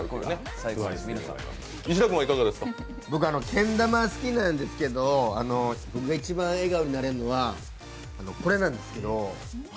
僕はけん玉好きなんですけど、一番笑顔になれるのはこれなんです。